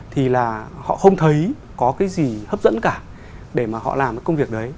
thì là họ không thấy có cái gì hấp dẫn cả để mà họ làm cái công việc đấy